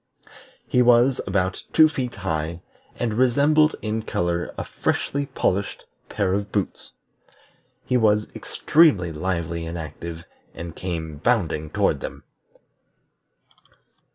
He was about two feet high, and resembled in color a freshly polished pair of boots. He was extremely lively and active, and came bounding toward them.